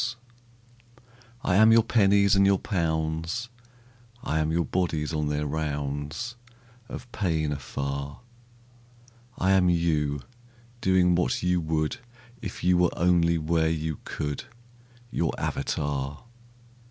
188 AUXILIARIES I am your pennies and your pounds; I am your bodies on their rounds Of pain afar; I am you, doing what you would If you were only where you could —■ Your avatar.